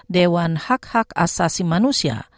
dewan hak hak asasi manusia